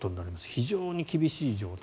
非常に厳しい状態。